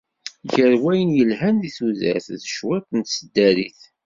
Ger wayen yelhan di tudert d cwiṭ n tseddarit.